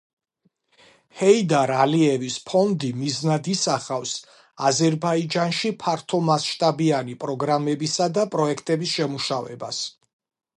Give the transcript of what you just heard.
ჰეიდარ ალიევის ფონდი მიზნად ისახავს აზერბაიჯანში ფართომასშტაბიანი პროგრამებისა და პროექტების შემუშავებას.